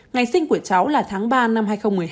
ngày sinh của cháu là tháng ba năm hai nghìn một mươi hai